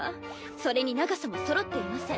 それに長さもそろっていません。